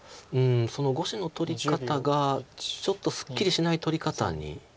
その５子の取り方がちょっとすっきりしない取り方に。